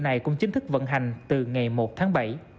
này cũng chính thức vận hành từ ngày một tháng bảy